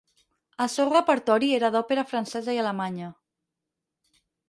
El seu repertori era d'òpera francesa i alemanya.